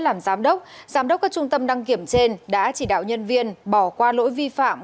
làm giám đốc giám đốc các trung tâm đăng kiểm trên đã chỉ đạo nhân viên bỏ qua lỗi vi phạm